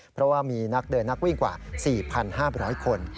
เพราะว่ามีนักเดินนักวิ่งกว่า๔๕๐๐คน